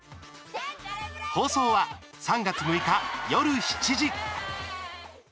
放送は３月６日、夜７時。